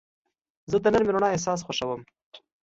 زه د نرمې رڼا احساس خوښوم.